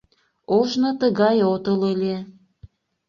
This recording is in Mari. Ожно тыгай отыл ыле.